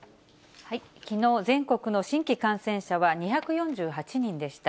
きのう、全国の新規感染者は２４８人でした。